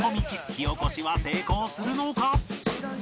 火おこしは成功するのか？